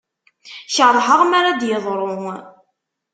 Kerheɣ mara d-yeḍru.